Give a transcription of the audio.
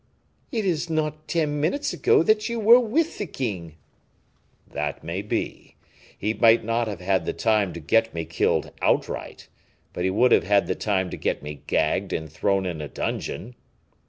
"It is not ten minutes ago that you were with the king." "That may be. He might not have had the time to get me killed outright, but he would have had the time to get me gagged and thrown in a dungeon.